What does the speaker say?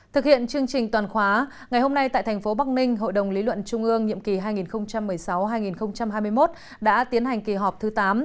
thực hiện chương trình toàn khóa ngày hôm nay tại thành phố bắc ninh hội đồng lý luận trung ương nhiệm kỳ hai nghìn một mươi sáu hai nghìn hai mươi một đã tiến hành kỳ họp thứ tám